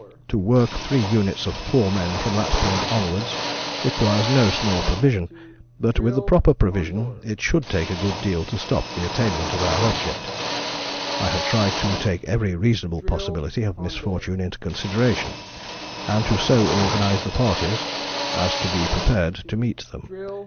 To work three units of four men from that point onwards requires no small provision, but with the proper provision it should take a good deal to stop the attainment of our object. I have tried to take every reasonable possibility of misfortune into consideration, and to so organize the parties as to be prepared to meet them.